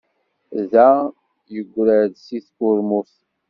Dan yeggra-d deg tkurmut.